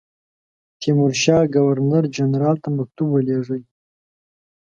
تیمورشاه ګورنر جنرال ته مکتوب ولېږی.